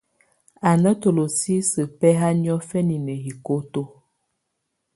Á nà tolosisǝ́ bɛ̀haà niɔ̀fɛna nà hikoto.